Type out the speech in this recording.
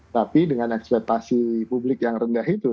tapi dengan ekspektasi publik yang rendah itu